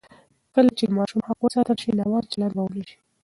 کله چې د ماشوم حق وساتل شي، ناوړه چلند به ونه شي.